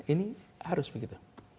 ini harus begitu